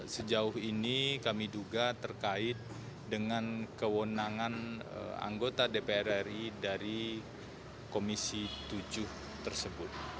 sejauh ini kami duga terkait dengan kewenangan anggota dpr ri dari komisi tujuh tersebut